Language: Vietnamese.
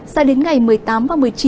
sao đến ngày một mươi tám và một mươi chín